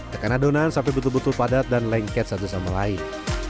tekan adonan sampai betul betul padat dan lengket satu sama lain